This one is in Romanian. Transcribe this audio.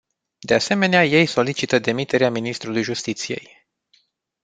De asemenea ei solicită demiterea ministrului justiției.